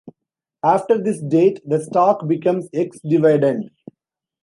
After this date the stock becomes "ex dividend".